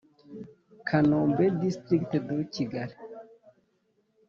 Kanombe District de Kicukiro